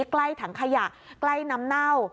ใกล้ถังขยะใกล้น้ำเน่า